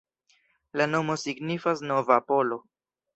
La nomo signifas nova-polo.